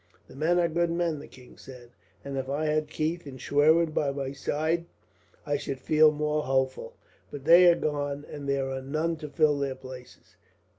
"The men are good men," the king said, "and if I had Keith and Schwerin by my side, I should feel more hopeful; but they are gone, and there are none to fill their places.